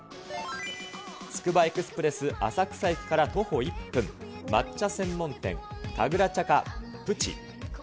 つくばエクスプレス浅草駅から徒歩１分、抹茶専門店、かぐらちゃかプチ。